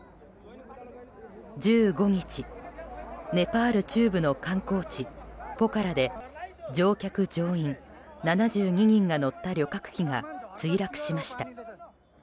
１５日、ネパール中部の観光地ポカラで乗客・乗員７２人が乗った旅客機が墜落しました。